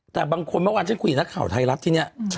แต่บางคนเมื่อวานฉันคุยกับนักข่าวไทยรัฐที่นี่